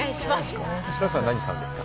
黒田さんは何を買うんですか？